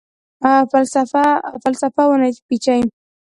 فلسفه ونه پیچي